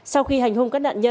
sau khi hành hung các nạn nhân